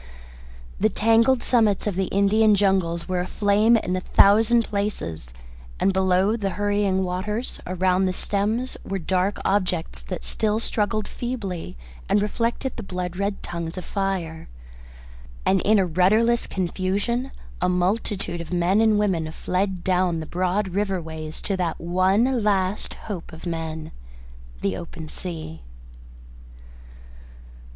The tangled summits of the Indian jungles were aflame in a thousand places, and below the hurrying waters around the stems were dark objects that still struggled feebly and reflected the blood red tongues of fire. And in a rudderless confusion a multitude of men and women fled down the broad river ways to that one last hope of men the open sea.